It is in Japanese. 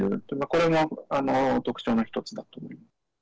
これも特徴の一つだと思います。